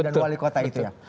dan wali kota itu ya